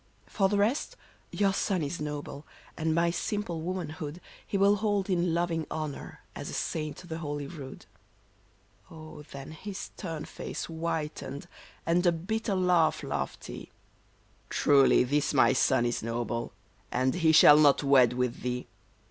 " 'For the rest — your son is noble — and my simple woman hood He will hold in loving honor, as a saint the holy rood !'" Oh ! then his stern face whitened, and a bitter laugh laughed he :* Truly this my son is noble, and he shall not wed with thee.